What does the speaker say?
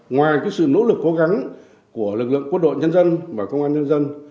ngoài sự nỗ lực cố gắng của lực lượng quân đội nhân dân và công an nhân dân